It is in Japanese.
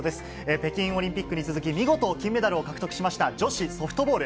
北京オリンピックに続き、見事金メダルを獲得しました、女子ソフトボール。